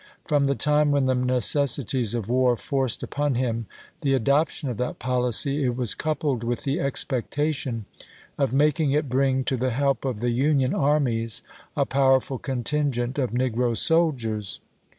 From the time when the necessities of war forced npon 1862. him the adoption of that policy it was coupled with the expectation of making it bring to the help of the Union armies a powerful contingent of negro soldiers.